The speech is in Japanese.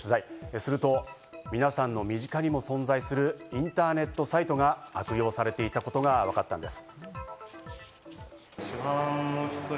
すると皆さんの身近にも存在するインターネットサイトが悪用されていたことがわかったんです。